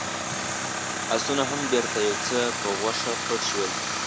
آسونه هم بېرته يو څه په غوښه پټ شول.